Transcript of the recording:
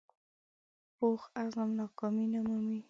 پوخ عزم ناکامي نه مني